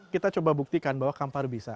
kita coba buktikan bahwa kampar bisa